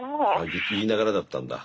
ずっと言いながらだったんだ。